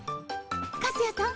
糟谷さん